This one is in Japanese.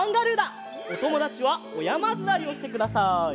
おともだちはおやまずわりをしてください。